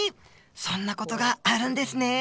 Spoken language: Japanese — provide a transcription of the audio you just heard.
そんな事があるんですね！